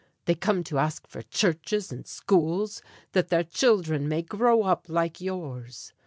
They come to ask for churches and schools, that their children may grow up like yours.